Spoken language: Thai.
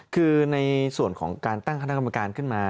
คือในส่วนของการตั้งคณะกรรมการขึ้นมา